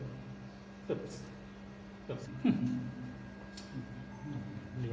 โอเคโอเคโอเคโอเค